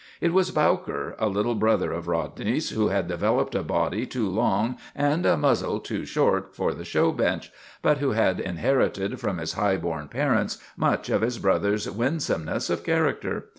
It was Bowker, a litter brother of Rodney's, who had developed a body too long and a muzzle too short for the show bench, but who had inherited from his high born parents much of his brother's winsomeness of character.